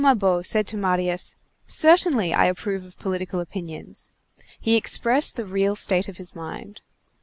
Mabeuf said to Marius: "Certainly I approve of political opinions," he expressed the real state of his mind.